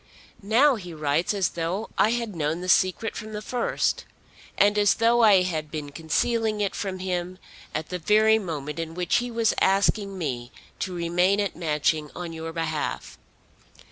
Now he writes as though I had known the secret from the first, and as though I had been concealing it from him at the very moment in which he was asking me to remain at Matching on your behalf.